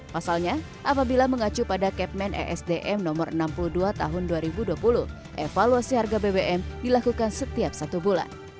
pasalnya apabila mengacu pada capman esdm no enam puluh dua tahun dua ribu dua puluh evaluasi harga bbm dilakukan setiap satu bulan